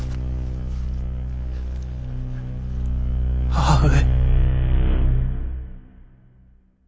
母上。